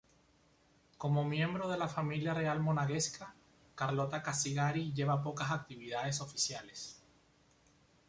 Como miembro de la familia real monegasca, Carlota Casiraghi lleva pocas actividades oficiales.